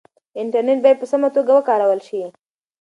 انټرنټ بايد په سمه توګه وکارول شي.